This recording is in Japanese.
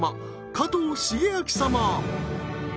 加藤シゲアキ様